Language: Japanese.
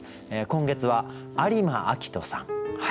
今月は有馬朗人さん。